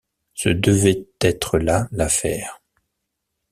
Ce devait être là l’affaire.